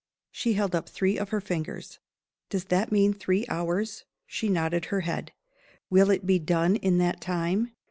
She held up three of her fingers. "Does that mean three hours?" She nodded her head. "Will it be done in that time?"